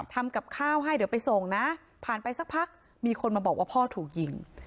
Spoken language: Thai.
ทำกับข้าวให้เดี๋ยวไปส่งนะผ่านไปสักพักมีคนมาบอกว่าพ่อถูกยิง